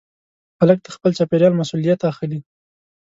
هلک د خپل چاپېریال مسؤلیت اخلي.